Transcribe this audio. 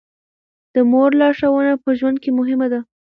د مور لارښوونه په ژوند کې مهمه ده.